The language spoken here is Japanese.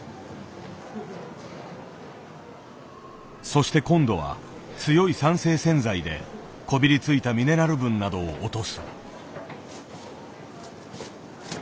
そして今度は強い酸性洗剤でこびりついたミネラル分などを落とす。